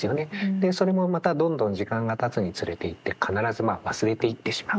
でそれもまたどんどん時間がたつにつれていって必ずまあ忘れていってしまう。